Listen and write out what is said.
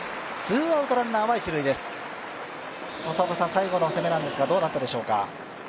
最後の攻めなんですがどうだったでしょうか？